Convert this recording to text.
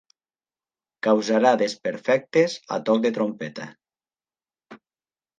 Causarà desperfectes a toc de trompeta.